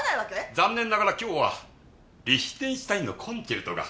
残念ながら今日はリヒテンシュタインのコンチェルトが。